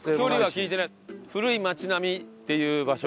古い町並っていう場所。